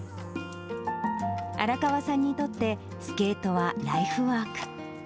荒川さんにとって、スケートはライフワーク。